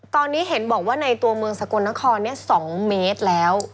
ตอนนี้เห็นบอกว่าในตัวเมืองสกลนคร๒เมตรแล้ว